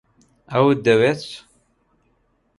ئەوت دەوێت؟